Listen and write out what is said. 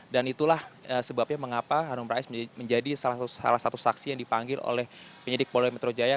dan itulah sebabnya mengapa hanum rais menjadi salah satu saksi yang dipanggil oleh penyidik poli metro jaya